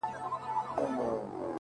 • مړ مي مړوند دی ـ